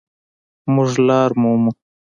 مونږ لاره مومو